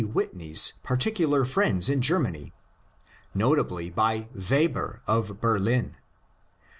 Whitney's particular friends in Germany — notably by Weber of Berlin.